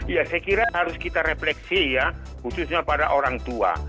ya saya kira harus kita refleksi ya khususnya pada orang tua